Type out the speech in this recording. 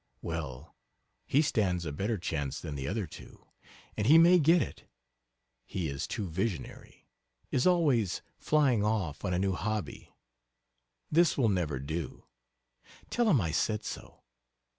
Well, he stands a better chance than the other two, and he may get it; he is too visionary is always flying off on a new hobby; this will never do tell him I said so.